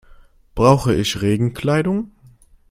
Brauche ich Regenkleidung?